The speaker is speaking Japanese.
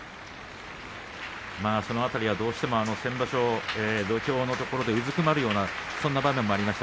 その辺りはどうしても先場所土俵下でうずくまるような場面もありました。